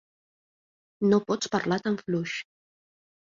No pots parlar tan fluix.